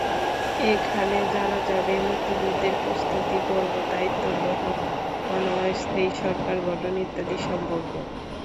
এখানে জানা যাবে মুক্তিযুদ্ধের প্রস্তুতিপর্ব, দায়িত্ব গ্রহণ, অস্থায়ী সরকার গঠন ইত্যাদি সম্পর্কে।